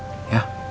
panggannya satu sini